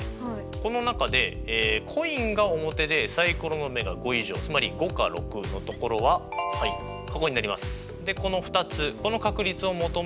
この中でコインが表でサイコロの目が５以上つまり５か６のところはここになります。